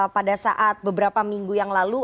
pada saat beberapa minggu yang lalu